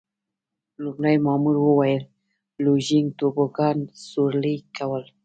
لومړي مامور وویل: لوژینګ، توبوګان سورلي کول.